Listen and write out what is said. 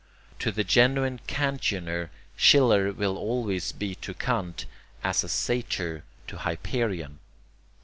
To the genuine 'Kantianer' Schiller will always be to Kant as a satyr to Hyperion.